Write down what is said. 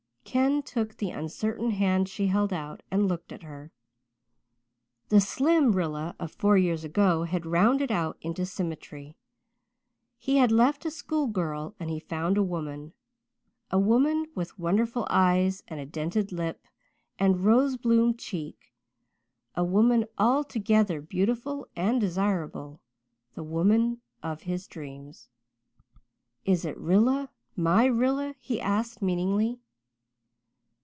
Ken took the uncertain hand she held out, and looked at her. The slim Rilla of four years ago had rounded out into symmetry. He had left a school girl, and he found a woman a woman with wonderful eyes and a dented lip, and rose bloom cheek a woman altogether beautiful and desirable the woman of his dreams. "Is it Rilla my Rilla?" he asked, meaningly.